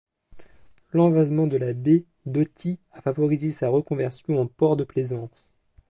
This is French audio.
L'envasement de la baie d'Authie a favorisé sa reconversion en port de plaisance.